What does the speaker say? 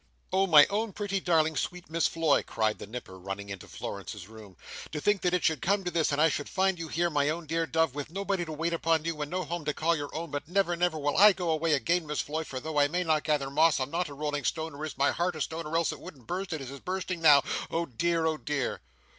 "Oh my own pretty darling sweet Miss Floy!" cried the Nipper, running into Florence's room, "to think that it should come to this and I should find you here my own dear dove with nobody to wait upon you and no home to call your own but never never will I go away again Miss Floy for though I may not gather moss I'm not a rolling stone nor is my heart a stone or else it wouldn't bust as it is busting now oh dear oh dear!"